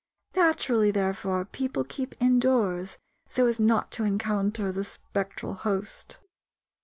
Naturally therefore people keep indoors so as not to encounter the spectral host.